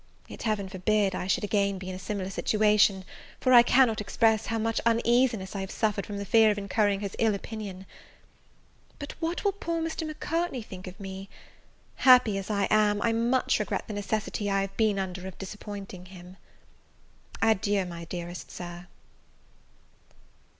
Yet Heaven forbid I should again be in a similar situation, for I cannot express how much uneasiness I have suffered from the fear of incurring his ill opinion. But what will poor Mr. Macartney think of me? Happy as I am, I much regret the necessity I have been under of disappointing him. Adieu, my dearest Sir.